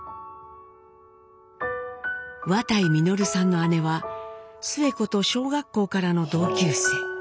綿井實さんの姉はスエ子と小学校からの同級生。